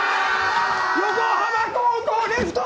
横浜高校レフト！